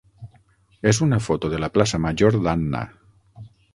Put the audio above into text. és una foto de la plaça major d'Anna.